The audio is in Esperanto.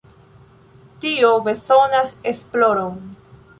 Tio bezonas esploron.